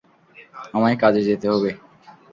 আমায় কাজে যেতে হবে।